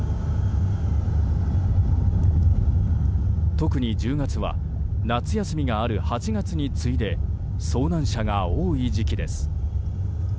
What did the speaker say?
特に１０月は夏休みがある８月に次いで遭難者が多い時期です。